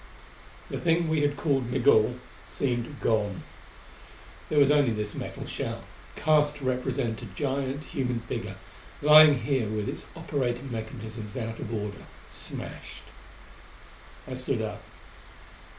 The thing we had called Migul seemed gone. There was only this metal shell, cast to represent a giant human figure, lying here with its operating mechanisms out of order smashed. I stood up.